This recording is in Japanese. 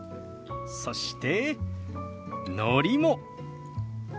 そしてのりも。